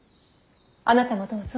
あなたもどうぞ。